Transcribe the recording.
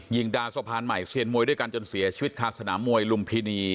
ดาวสะพานใหม่เซียนมวยด้วยกันจนเสียชีวิตคาสนามมวยลุมพินี